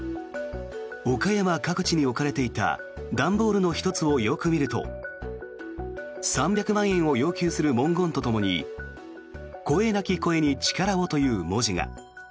岡山各地に置かれていた段ボールの１つをよく見ると３００万円を要求する文言とともに「声なき声に力を。」という文字が。